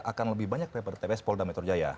akan lebih banyak daripada tps polda metro jaya